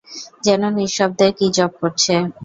যেন নিঃশব্দে কী জপ করছে।